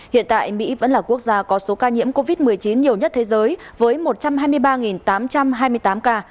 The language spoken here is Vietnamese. hiện tại mỹ vẫn là quốc gia có số ca nhiễm covid một mươi chín nhiều nhất thế giới với một trăm hai mươi ba tám trăm hai mươi tám ca